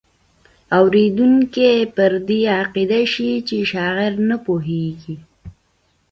اوریدونکی پر دې عقیده شي چې شاعر نه پوهیږي.